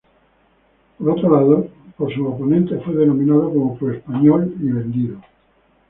Por otro lado, por sus oponentes fue denominado como pro-español y "vendido".